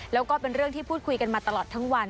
แล้วก็เป็นเรื่องที่พูดคุยกันมาตลอดทั้งวัน